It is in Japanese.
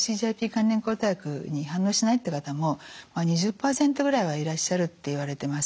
関連抗体薬に反応しないって方も２０％ぐらいはいらっしゃるっていわれてます。